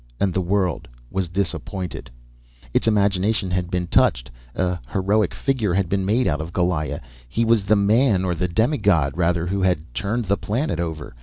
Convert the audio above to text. And the world was disappointed. Its imagination had been touched. An heroic figure had been made out of Goliah. He was the man, or the demi god, rather, who had turned the planet over.